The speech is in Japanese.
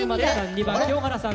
２番清原さん